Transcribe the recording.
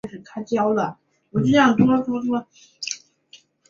新阿瓜多西是巴西北大河州的一个市镇。